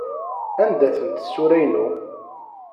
Anda-tent tsura-inu?